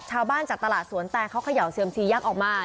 จากตลาดสวนแตเขาเขย่าเซียมซียักษ์ออกมา